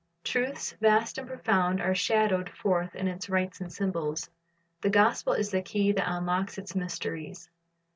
Truths vast and profound are shadowed forth in its rites and symbols. The gospel is the key that unlocks its mysteries.